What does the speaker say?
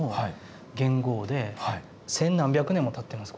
千何百年もたってます